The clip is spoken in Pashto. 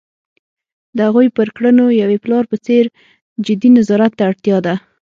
د هغوی پر کړنو یوې پلار په څېر جدي نظارت ته اړتیا ده.